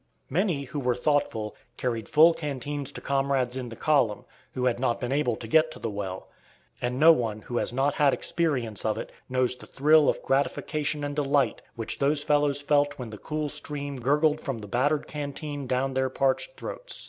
Many, who were thoughtful, carried full canteens to comrades in the column, who had not been able to get to the well; and no one who has not had experience of it knows the thrill of gratification and delight which those fellows felt when the cool stream gurgled from the battered canteen down their parched throats.